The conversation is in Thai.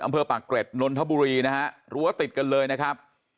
อำเภอปากเกร็ดนนทบุรีนะฮะรั้วติดกันเลยนะครับ